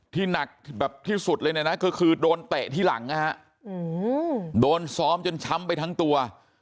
หนักแบบที่สุดเลยเนี่ยนะก็คือโดนเตะที่หลังนะฮะโดนซ้อมจนช้ำไปทั้งตัว